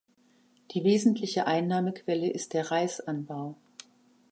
Die wesentliche Einnahmequelle ist der Reisanbau.